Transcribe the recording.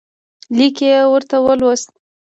لیک یې ورته ولوست.